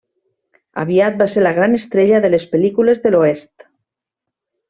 Aviat va ser la gran estrella de les pel·lícules de l'oest.